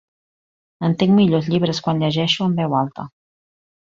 Entenc millor els llibres quan llegeixo en veu alta.